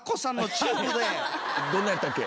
どんなんやったっけ？